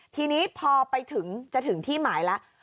ทีนี้พอไปถึงจะถึงที่หมายแล้ว